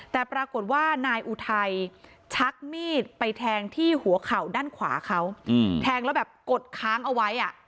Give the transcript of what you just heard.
แต่ปรากฏว่านายอุทัยชักมีดไปแทงที่หัวเข่าด้านขวาเขาแทงแล้วแบบกดค้างเอาไว้